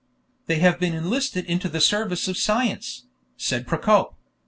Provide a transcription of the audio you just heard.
"They have been enlisted into the service of science," said Procope.